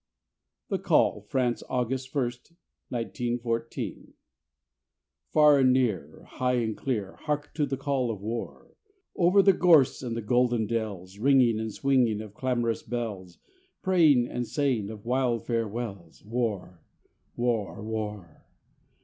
The Call (France, August first, 1914) Far and near, high and clear, Hark to the call of War! Over the gorse and the golden dells, Ringing and swinging of clamorous bells, Praying and saying of wild farewells: War! War! War!